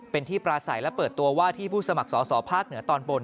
เป็นที่ปราศัยและเปิดตัวว่าที่ผู้สมัครสอสอภาคเหนือตอนบน